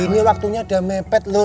ini waktunya udah mepet loh